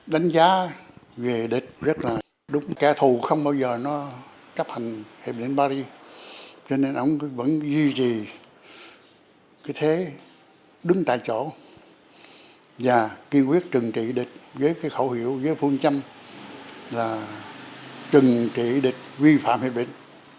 đánh giá về địch rất là đúng kẻ thù không bao giờ nó cấp hành hiệp định paris cho nên ông vẫn duy trì cái thế đứng tại chỗ và kiên quyết trừng trị địch với cái khẩu hiệu với phương châm là trừng trị địch vi phạm hiệp định